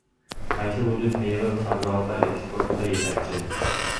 Qaysi hudud meva va sabzavotlar eksportida yetakchi?